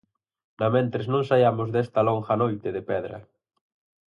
Namentres non saiamos desta longa noite de pedra.